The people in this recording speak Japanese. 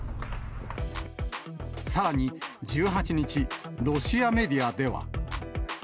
さらに１８日、ロシアメディアでは。